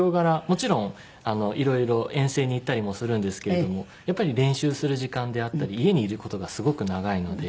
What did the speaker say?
もちろんいろいろ遠征に行ったりもするんですけれどもやっぱり練習する時間であったり家にいる事がすごく長いので。